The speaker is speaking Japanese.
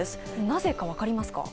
なぜか分かりますか？